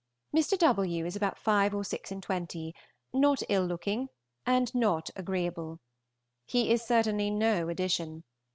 Mr. W. is about five or six and twenty, not ill looking, and not agreeable. He is certainly no addition.